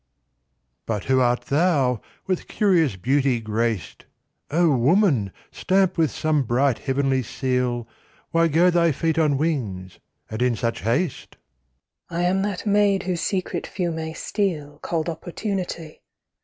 "But who art thou, with curious beauty graced, O woman, stamped with some bright heavenly seal Why go thy feet on wings, and in such haste?" "I am that maid whose secret few may steal, Called Opportunity.